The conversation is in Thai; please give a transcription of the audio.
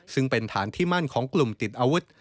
ซึ่งเป็นฐานที่มั่นของกลุ่มติดอาวุธ